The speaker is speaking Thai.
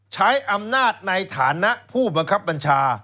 ใช้อำนาจในฐานะผู้บังคับบัญชา